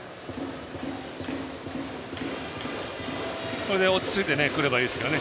これで落ち着いてくればいいですけどね。